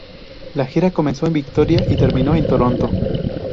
La gira comenzó en Victoria y terminó en Toronto.